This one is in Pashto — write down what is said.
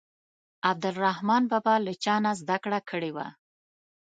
عبدالرحمان بابا له چا نه زده کړه کړې وه.